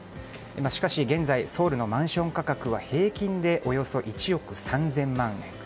しかし、現在ソウルのマンション価格は平均でおよそ１億３０００万円。